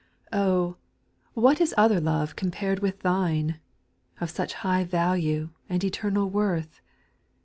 Oh I what is other love compared with Thine, Of such high value, and eternal worth